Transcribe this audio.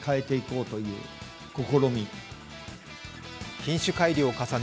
品種改良を重ね